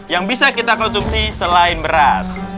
yang bisa kita konsumsi selain beras